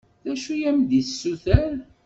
D acu i am-d-yessuter?